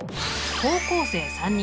高校生３人。